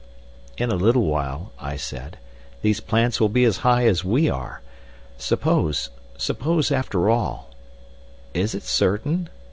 "In a little while," I said, "these plants will be as high as we are. Suppose—suppose after all— Is it certain?